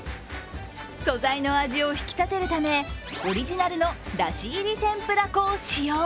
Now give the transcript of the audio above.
素材の味を引き立てるためオリジナルのだし入りの天ぷら粉を使用。